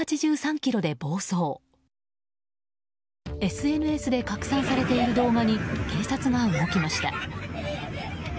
ＳＮＳで拡散されている動画に警察が動きました。